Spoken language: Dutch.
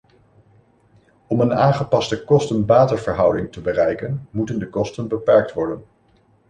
Om een aangepaste kosten-batenverhouding te bereiken moeten de kosten beperkt worden.